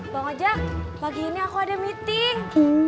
bang ojek pagi ini aku ada meeting